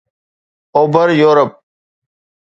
اوڀر يورپ